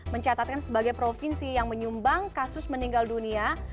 mencatatkan sebagai provinsi yang menyumbang kasus meninggal dunia